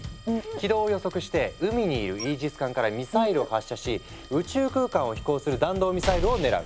軌道を予測して海にいるイージス艦からミサイルを発射し宇宙空間を飛行する弾道ミサイルを狙う。